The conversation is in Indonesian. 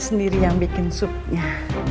sendiri yang bikin supnya